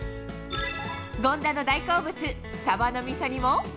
権田の大好物、サバのみそ煮も。